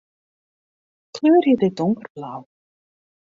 Kleurje dit donkerblau.